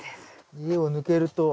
家を抜けると。